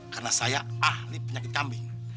karena saya ahli penyakit kambing